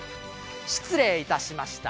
失礼いたしました。